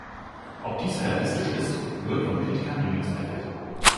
Ob dies realistisch ist, wird von Kritikern angezweifelt.